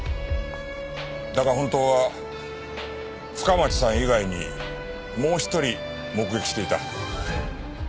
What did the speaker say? だが本当は深町さん以外にもう一人目撃していた。